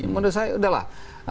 menurut saya udah lah